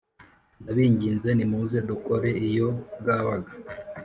Ndabinginze nimuze dukore iyo bwabaga